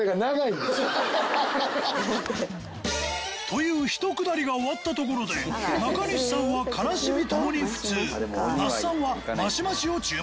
というひとくだりが終わったところで中西さんはカラシビともに普通那須さんは増し増しを注文